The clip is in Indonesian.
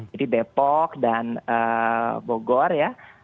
jadi depok dan bogor ya